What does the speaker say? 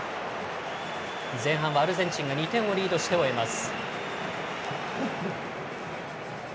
前半はアルゼンチンが２点をリードして終えます。